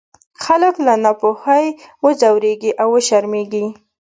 خلک له ناپوهۍ وځورېږي او وشرمېږي.